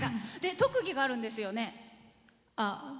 特技があるんですよね。